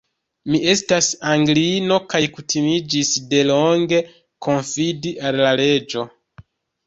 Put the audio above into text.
Mi estas Anglino, kaj kutimiĝis de longe konfidi al la leĝo.